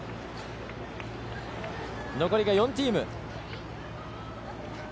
残り４チーム。